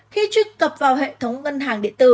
khi truy cập vào hệ thống ngân hàng điện tử